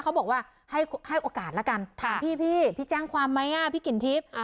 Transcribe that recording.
เขาบอกว่าให้โอกาสลนิทแล้วกันพี่จ้างความไม่ง่ายพี่กินทิพย์